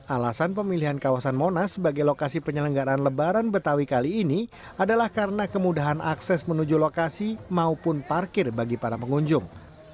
alasan pemilihan kawasan monas sebagai lokasi penyelenggaran lebaran betawi kali ini adalah karena kemudahan akses menuju lokasi maupun parkir bagi para pengunjung